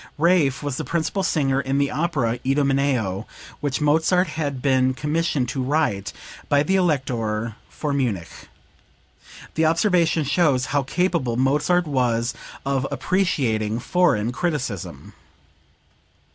Raaff was the principal singer in the opera "Idomeneo," which Mozart had been commissioned to write by the Elector for Munich. The observation shows how capable Mozart was of appreciating foreign criticism.)